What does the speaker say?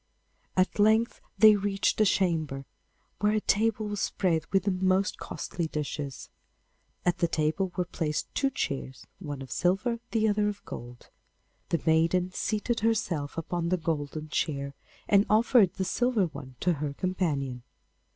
At length they reached a chamber where a table was spread with the most costly dishes. At the table were placed two chairs, one of silver, the other of gold. The maiden seated herself upon the golden chair, and offered the silver one to her companion.